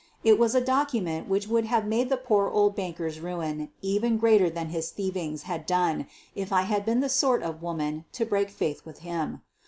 It was a document which would have made the poor old banker's ruin even greater than his thievings had done if I had been the sort of woman to break faith with him.